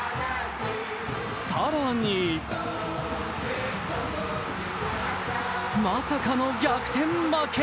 更に、まさかの逆転負け。